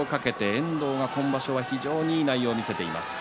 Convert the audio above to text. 遠藤、今場所はいい内容を見せています。